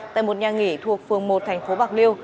tại một nhà nghỉ thuộc phường một thành phố bạc liêu